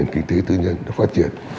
kinh tế tư nhân phát triển